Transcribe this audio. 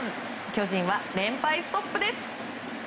巨人は連敗ストップです。